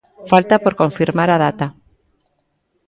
Falta por confirmar a data.